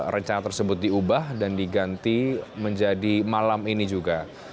rencana tersebut diubah dan diganti menjadi malam ini juga